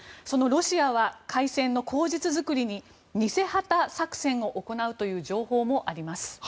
そのロシアは開戦の口実作りに偽旗作戦を行うという情報もあります。